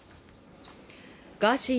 ガーシー